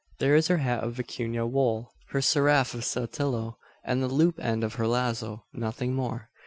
There is her hat of vicuna wool her seraph of Saltillo, and the loop end of her lazo nothing more.